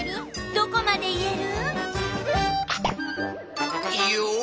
どこまでいえる？